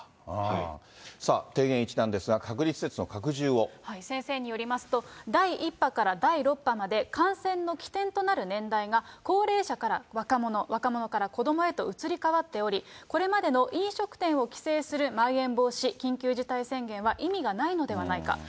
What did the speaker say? さあ、提言１なんですが、隔離施先生によりますと、第１波から第６波まで、感染の起点となる年代が高齢者から若者、若者から子どもへと移り変わっており、これまでの飲食店を規制するまん延防止、緊急事態宣言は意味がないのではないか。